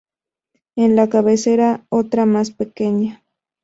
En la cabecera otra más pequeña.